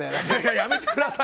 やめてください。